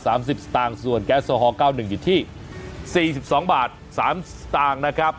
สิบสตางค์ส่วนแก๊สโซฮอลเก้าหนึ่งอยู่ที่สี่สิบสองบาทสามสตางค์นะครับ